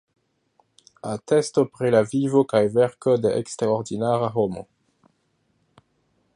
Atesto pri la vivo kaj verko de eksterordinara homo".